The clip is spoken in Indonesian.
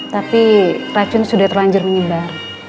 tapi racun sudah terlanjur menyebar